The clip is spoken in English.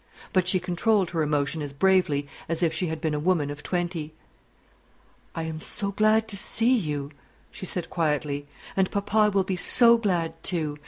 But she controlled her emotion as bravely as if she had been a woman of twenty. "I am so glad to see you," she said quietly; "and papa will be so glad too!